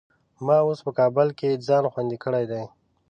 ما اوس په کابل کې ځان خوندي کړی دی.